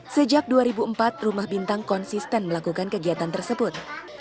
sejak dua ribu empat rumah bintang konsisten melakukan kegiatan tersebut